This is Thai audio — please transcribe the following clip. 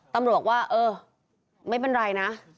ตำรวจว่าเออไม่เป็นไรนะ